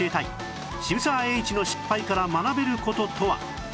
渋沢栄一の失敗から学べる事とは？